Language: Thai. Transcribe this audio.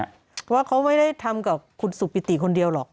เพราะว่าเขาไม่ได้ทำกับคุณสุปิติคนเดียวหรอก